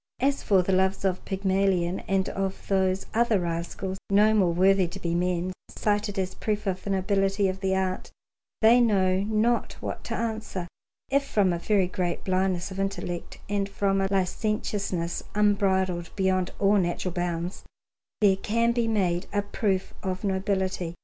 As for the loves of Pygmalion and of those other rascals no more worthy to be men, cited as proof of the nobility of the art, they know not what to answer, if, from a very great blindness of intellect and from a licentiousness unbridled beyond all natural bounds, there can be made a proof of nobility.